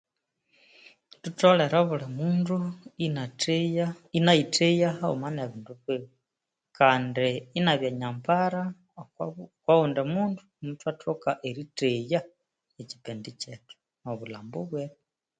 Thutholereobulhimundo enatheya enayitheya hawumanebindubiwe Kandi enabyanyambara okowundimundu emukyathoka eritheya ekipindichethu nobulhambowethu